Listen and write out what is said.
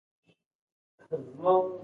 د افغانستان زعفران د خوند له مخې غوره دي